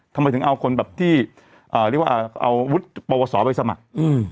ทำไมถึงเอาคนที่เอาวุฒิประวัติศาสตร์ไปสมัคร